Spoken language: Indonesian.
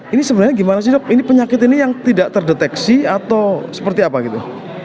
ini sebenarnya gimana sih dok ini penyakit ini yang tidak terdeteksi atau seperti apa gitu